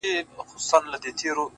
دي روح کي اغښل سوی دومره;